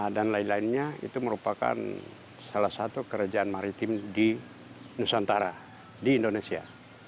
dan lain lainnya itu merupakan salah satu kerajaan maritim di nusantara di indonesia